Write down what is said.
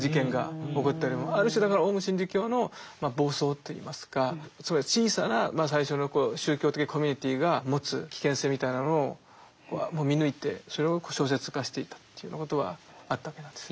ある種だからオウム真理教の暴走といいますかつまり小さな最初の宗教的コミュニティーが持つ危険性みたいなのを見抜いてそれを小説化していたというようなことはあったわけなんですね。